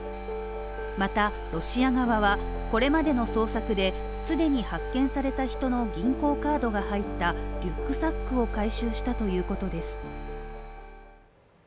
また、ロシア側はこれまでの捜索で、既に発見された人の銀行カードが入ったリュックサックを回収したということです。